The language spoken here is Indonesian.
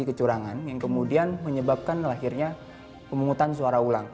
kecurangan yang kemudian menyebabkan lahirnya pemungutan suara ulang